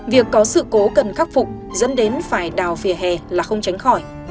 việc có sự cố cần khắc phục dẫn đến phải đào vỉa hè là không tránh khỏi